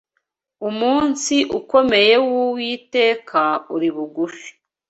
Umunsi ukomeye w’Uwiteka uri bugufi